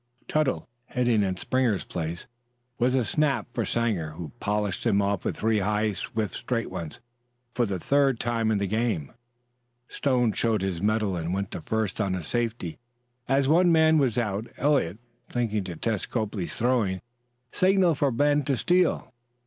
Tuttle, hitting in Springer's place, was a snap for Sanger, who polished him off with three high, swift, straight ones. For the third time in the game, Stone showed his mettle and went to first on a safety. As one man was out, Eliot, thinking to test Copley's throwing, signaled for Ben to steal.